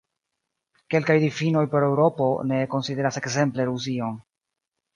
Kelkaj difinoj por Eŭropo ne konsideras ekzemple Rusion.